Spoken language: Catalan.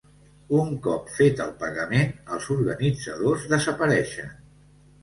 Un cop fet el pagament, els organitzadors desapareixen.